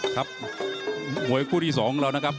ครับมวยคู่ที่สองแล้วนะครับ